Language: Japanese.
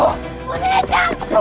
お姉ちゃん！